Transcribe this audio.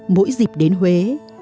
mỗi dịp đến huế